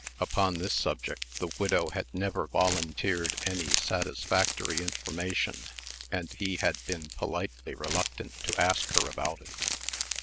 Upon this subject the widow had never volunteered any satisfactory information, and he had been politely reluctant to ask her about it.